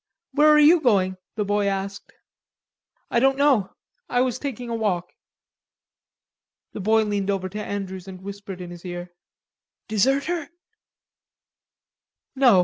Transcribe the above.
"Where are you going?" the boy asked. "I don't know. I was taking a walk." The boy leaned over to Andrews and whispered in his car: "Deserter?" "No....